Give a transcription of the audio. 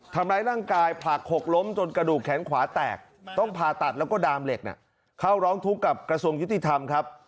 ทำร้ายร่างกายผลักหกล้มจนกระดูกแขนขวาแตกต้องผ่าตัดแล้วก็ดามเหล็กเข้าร้องทุกข์กับกระทรวงยุติธรรมครับ